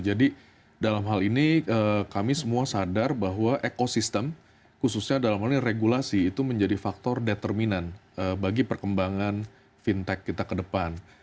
jadi dalam hal ini kami semua sadar bahwa ekosistem khususnya dalam hal ini regulasi itu menjadi faktor determinant bagi perkembangan fintech kita ke depan